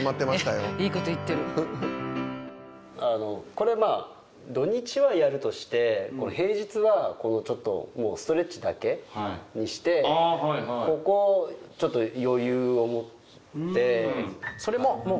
これはまあ土日はやるとして平日はこのちょっとストレッチだけにしてここをちょっと余裕を持って。